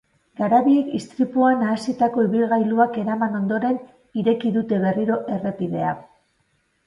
Garabiek istripuan nahasitako ibilgailuak eraman ondoren ireki dute berriro errepidea.